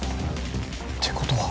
てことは